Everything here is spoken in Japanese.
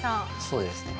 そうですね。